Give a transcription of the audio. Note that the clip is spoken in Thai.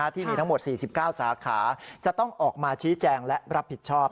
ที่มีทั้งหมด๔๙สาขาจะต้องออกมาชี้แจงและรับผิดชอบ